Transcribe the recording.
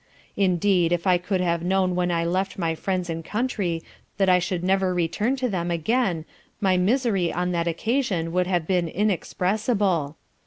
Indeed if I could have known when I left my friends and country that I should never return to them again my misery on that occasion would have been inexpressible.